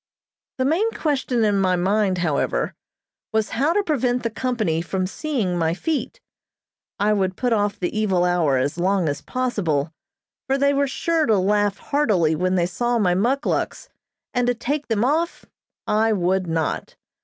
The main question in my mind, however, was how to prevent the company from seeing my feet. I would put off the evil hour as long as possible, for they were sure to laugh heartily when they saw my muckluks, and to take them off I would not.